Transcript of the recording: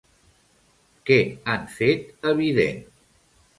Què han fet evident?